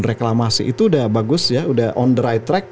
reklamasi itu udah bagus ya udah on the right track